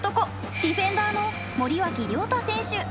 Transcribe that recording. ディフェンダーの森脇良太選手。